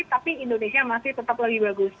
tapi indonesia masih tetap lagi bagus